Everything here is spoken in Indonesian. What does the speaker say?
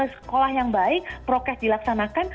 sekolah yang baik prokes dilaksanakan